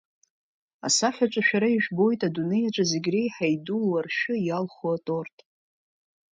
Асахьаҿы шәара ижәбоит адунеи аҿы зегь реиҳа идуу аршәы иалху аторт.